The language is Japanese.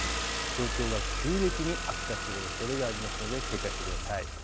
状況が急激に悪化するおそれがありますので警戒してください。